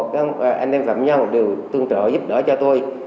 các anh em phạm nhân đều tương trợ giúp đỡ cho tôi